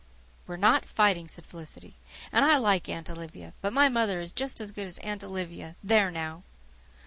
"We're NOT fighting," said Felicity. "And I like Aunt Olivia. But my mother is just as good as Aunt Olivia, there now!"